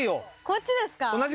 こっちですか？